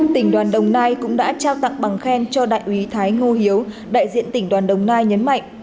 tỉnh đoàn đồng nai cũng đã trao tặng bằng khen cho đại úy thái ngô hiếu đại diện tỉnh đoàn đồng nai nhấn mạnh